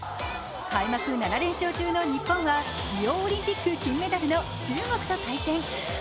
開幕７連勝中の日本はリオオリンピック金メダルの中国と対戦。